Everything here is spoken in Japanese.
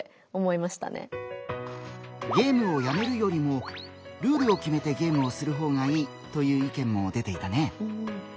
「ゲームをやめるよりもルールを決めてゲームをする方がいい」という意見も出ていたね。